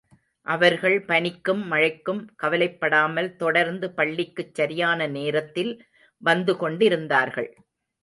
அவர்கள் பனிக்கும் மழைக்கும் கவலைப்படாமல் தொடர்ந்து பள்ளிக்குச் சரியான நேரத்தில் வந்து கொண்டிருந்தார்கள்.